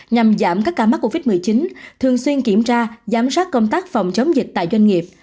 nhằm giảm các ca mắc covid một mươi chín thường xuyên kiểm tra giám sát công tác phòng chống dịch tại doanh nghiệp